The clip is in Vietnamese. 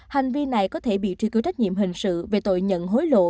hành vi này có thể bị truy cư trách nhiệm hình sự về tội nhận hối lộ